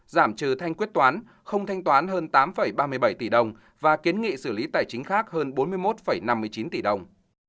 giảm trừ thanh quyết toán không thanh toán hơn tám ba mươi bảy tỷ đồng và kiến nghị xử lý tài chính khác hơn bốn mươi một năm mươi chín tỷ đồng